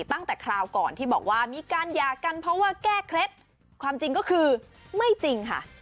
คราวก่อนที่บอกว่ามีการหย่ากันเพราะว่าแก้เคล็ดความจริงก็คือไม่จริงค่ะ